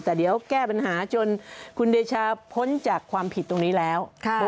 แต่เดี๋ยวแก้ปัญหาจนคุณเดชาพ้นจากความผิดตรงนี้แล้ว